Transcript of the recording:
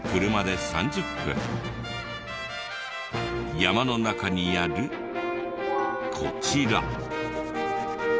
山の中にあるこちら。